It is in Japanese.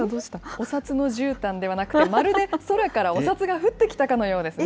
お札のじゅうたんではなくて、まるで空からお札が降ってきたかのようですね。